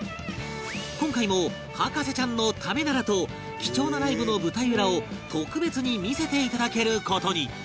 今回も『博士ちゃん』のためならと貴重なライブの舞台裏を特別に見せていただける事に